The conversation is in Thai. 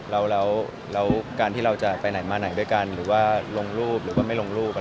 แล้วการที่เราจะไปไหนมาไหนด้วยกันหรือว่าลงรูปหรือว่าไม่ลงรูป